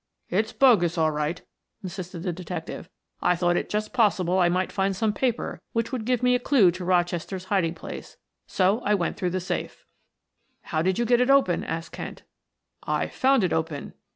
"It's bogus, all right," insisted the detective. "I thought it just possible I might find some paper which would give me a clew to Rochester's hiding place, so I went through the safe." "How did you get it open?" asked Kent. "I found it open."